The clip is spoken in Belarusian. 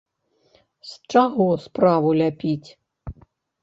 З чаго справу ляпіць?